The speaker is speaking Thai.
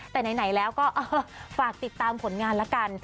แต่ไหนแล้วก็ฝากติดตามผลงานละกัน